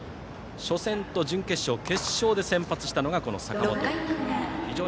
初戦と準決勝、決勝で先発したのがこの坂本です。